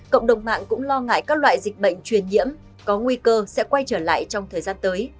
cộng đồng mạng cũng lo ngại các loại dịch bệnh truyền nhiễm có nguy cơ sẽ quay trở lại trong thời gian tới